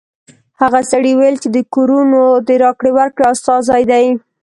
هغه سړي ویل چې د کورونو د راکړې ورکړې استازی دی